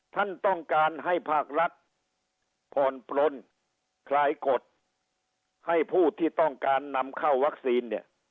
ท่านต้องการให้ภาครัฐผ่อนปลนคลายกฎให้ผู้ที่ต้องการนำเข้าวัคซีนเนี่ย